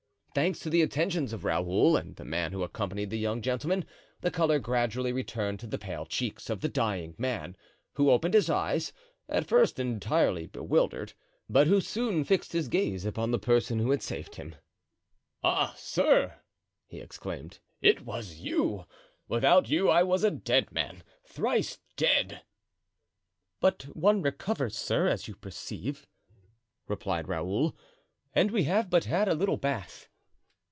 Thanks to the attentions of Raoul and the man who accompanied the young gentleman, the color gradually returned to the pale cheeks of the dying man, who opened his eyes, at first entirely bewildered, but who soon fixed his gaze upon the person who had saved him. "Ah, sir," he exclaimed, "it was you! Without you I was a dead man—thrice dead." "But one recovers, sir, as you perceive," replied Raoul, "and we have but had a little bath."